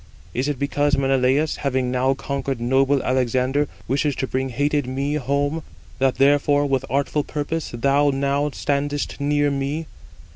Is it because Menelaus, having now conquered noble Alexander, wishes to bring hated me home, that therefore with artful purpose thou now standest near me?